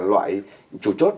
loại chủ chốt